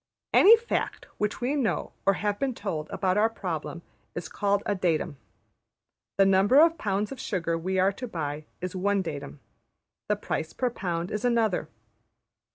Any fact which we know or have been told about our problem is called a datum. The number of pounds of sugar we are to buy is one datum; the price per pound is another.